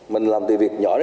mình làm từ việc nhỏ đến nhỏ